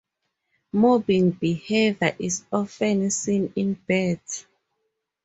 Mobbing behaviour is often seen in birds.